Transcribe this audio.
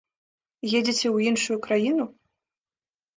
Едзеце ў іншую краіну?